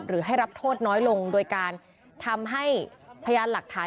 ให้รับโทษน้อยลงโดยการทำให้พยานหลักฐาน